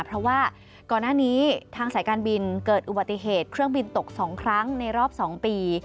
เพราะว่าก่อนหน้านี้ทางสายการบินเกิดอุบัติเหตุเครื่องบินตก๒ครั้งในรอบ๒ปี